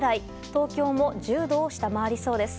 東京も１０度を下回りそうです。